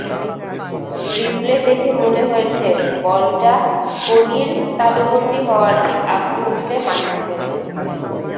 Replay দেখে মনে হয়েছে, বলটা কোহলির তালুবন্দী হওয়ার ঠিক আগমুহূর্তে মাটি ছুঁয়েছে।